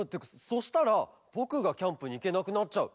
そしたらぼくがキャンプにいけなくなっちゃう。